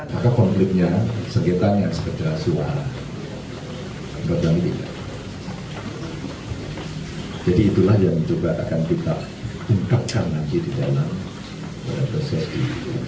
jadi itulah yang coba akan kita ungkapkan lagi di dalam proses ini